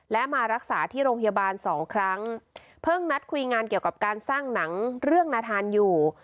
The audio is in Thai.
และมารักษาที่โรงพยาบาลสองครั้งเพิ่งนัดคุยงานเกี่ยวกับการสร้างหนังเรื่องนาธานอยู่